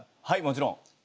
はいもちろん。